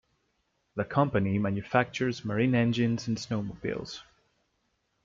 The company manufactures marine engines and snowmobiles.